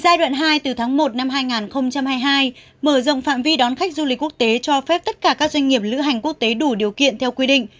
giai đoạn hai từ tháng một năm hai nghìn hai mươi hai mở rộng phạm vi đón khách du lịch quốc tế cho phép tất cả các doanh nghiệp lữ hành quốc tế đủ điều kiện theo quy định